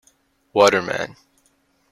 Waterman.